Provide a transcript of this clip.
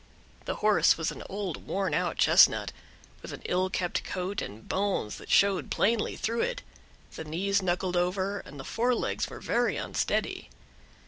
The horse was an old worn out chestnut, with an ill kept coat, and bones that showed plainly through it, the knees knuckled over, and the fore legs were very unsteady.